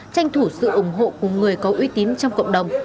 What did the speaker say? tranh thủ sự ủng hộ của người có uy tín trong cộng đồng